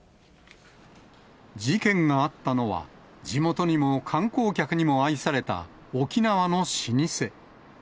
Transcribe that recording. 事件があったのは、地元にも観光客にも愛された沖縄の老舗。